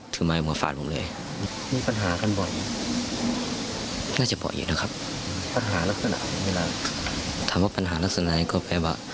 ถามว่าปัญหาลักษณะอะไรก็แปลว่า